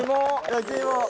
焼き芋！